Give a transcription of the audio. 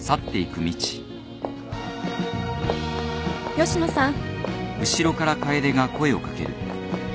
吉野さん。